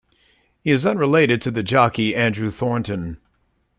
He is unrelated to the jockey Andrew Thornton.